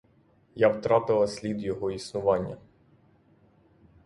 Я втратила слід його існування.